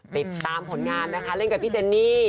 ติดตามผลงานนะคะเล่นกับพี่เจนนี่